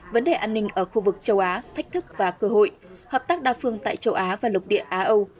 vấn đề an ninh ở khu vực châu á thách thức và cơ hội hợp tác đa phương tại châu á và lục địa á âu